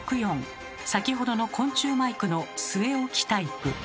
先ほどの昆虫マイクの据え置きタイプ。